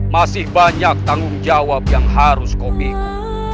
masih banyak tanggung jawab yang harus kau pikir